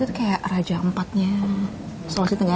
itu kayak raja empatnya sulawesi tenggara